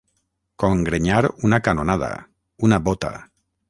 Congrenyar una canonada, una bota.